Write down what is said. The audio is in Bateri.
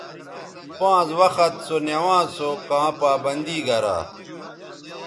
پانز وخت سونوانز سو کاں پابندی گرا